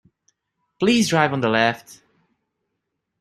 Please drive on the left.